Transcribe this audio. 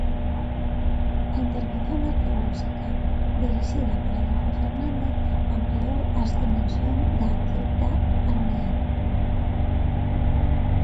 A intervención arqueolóxica, dirixida por Adolfo Fernández, ampliou as dimensión da Cibdá Armea.